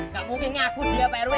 ndak mungkin nyaku dia pak rw